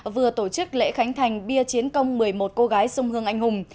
vừa tổ chức lễ khánh thành bia chiến công một mươi một cô gái sông hương anh hùng